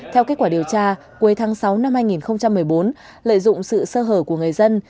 theo kết quả điều tra cuối tháng sáu năm hai nghìn một mươi bốn lợi dụng sự sơ hở của người dân